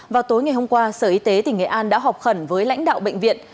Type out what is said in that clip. vào tối ngày hôm qua sở y tế tỉnh nghệ an đã họp khẩn với lãnh đạo bệnh viện